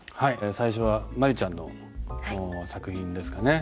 最初は舞悠ちゃんの作品ですかね。